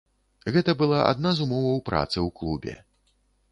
Гэта была адна з умоваў працы ў клубе.